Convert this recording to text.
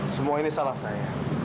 semua ini salah saya